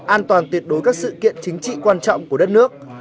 an toàn tuyệt đối các sự kiện chính trị quan trọng của đất nước